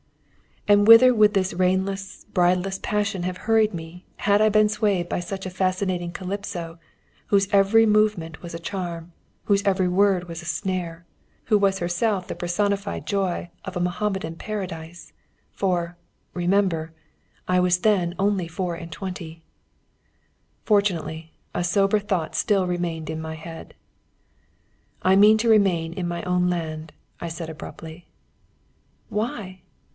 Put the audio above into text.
And whither would this reinless, bridleless passion have hurried me had I been swayed by such a fascinating Calypso, whose every movement was a charm, whose every word was a snare, who was herself the personified joy of a Mohammedan paradise? For, remember, I was then only four and twenty! Fortunately, a sober thought still remained in my head. "I mean to remain in my own land," I said abruptly. "Why?"